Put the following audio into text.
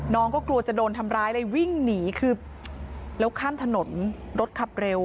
น้องก็กลัวจะโดนทำร้ายเลยวิ่งหนีคือแล้วข้ามถนนรถขับเร็ว